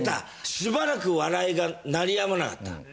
しばらく笑いが鳴りやまなかった。